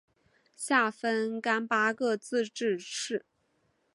下分廿八个自治市。